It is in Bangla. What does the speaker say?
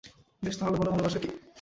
বেশ, তাহলে বল ভালোবাসা কী?